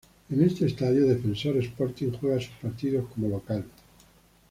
En este estadio Defensor Sporting juega sus partidos como local.